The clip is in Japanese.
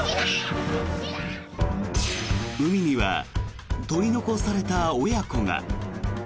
海には取り残された親子が。